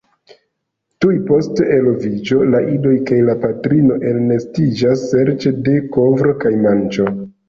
Tuj post eloviĝo la idoj kaj la patrino elnestiĝas serĉe de kovro kaj manĝo.